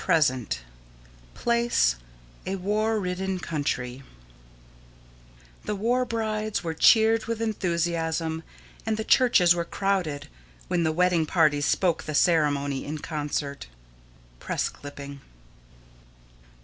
Muenster WAR BRIDES The war brides were cheered with enthusiasm and the churches were crowded when the wedding parties spoke the ceremony in concert. PRESS CLIPPING.